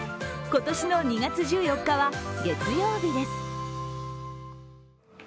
今年の２月１４日は月曜日です。